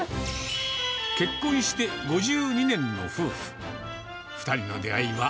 結婚して５２年の夫婦。